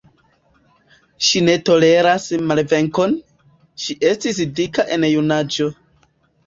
Ŝi ne toleras malvenkon, ŝi estis dika en junaĝo.